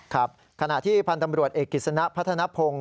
ครับขณะที่พลตำรวจเอกิสณะพัฒนภง